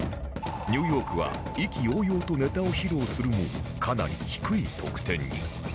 ニューヨークは意気揚々とネタを披露するもかなり低い得点に。